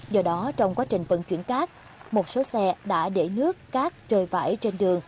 do đó trong quá trình vận chuyển cát một số xe đã để nước cát trời vải trên đường